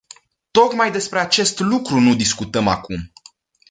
Tocmai despre acest lucru nu discutăm acum.